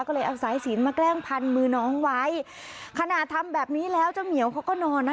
ก็เลยเอาสายศีลมาแกล้งพันมือน้องไว้ขนาดทำแบบนี้แล้วเจ้าเหมียวเขาก็นอนนะ